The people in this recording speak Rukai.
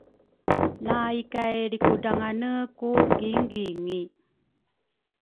la ikay lrikudrangane ku gingingi